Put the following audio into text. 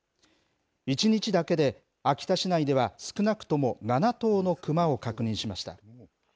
１日だけで秋田市内では少なくとも７頭のクマを確認しました。